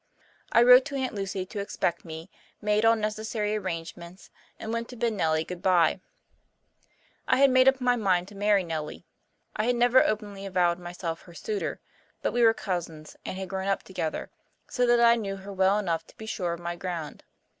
I wrote to Aunt Lucy to expect me, made all necessary arrangements, and went to bid Nellie goodbye. I had made up my mind to marry Nellie. I had never openly avowed myself her suitor, but we were cousins, and had grown up together, so that I knew her well enough to be sure of my ground.